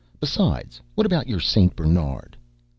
"Besides, what about your Saint Bernard?"